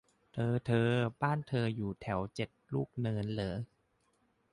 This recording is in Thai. เธอเธอบ้านเธออยู่แถวเจ็ดลูกเนินเหรอ